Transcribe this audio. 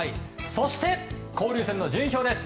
そして、交流戦の順位表です。